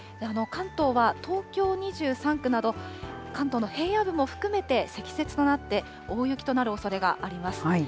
関東は東京２３区など、関東の平野部も含めて積雪となって、大雪となるおそれがあります。